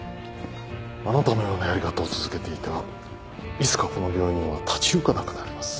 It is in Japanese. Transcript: あなたのようなやり方を続けていてはいつかこの病院は立ち行かなくなります。